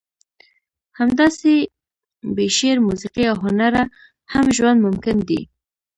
همداسې بې شعر، موسیقي او هنره هم ژوند ممکن دی.